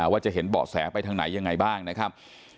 ว่าจะเห็นเบาะแสไปทางไหนยังไงบ้างนะครับ